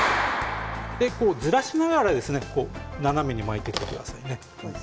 ずらしながら斜めに巻いていってくださいね。